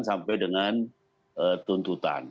sampai dengan tuntutan